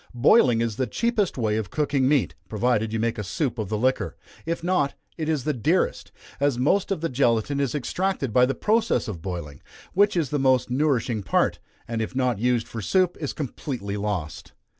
Boiling is the cheapest way of cooking meat, provided you make a soup of the liquor; if not, it is the dearest, as most of the gelatine is extracted by the process of boiling, which is the most nourishing part, and if not used for soup, is completely lost.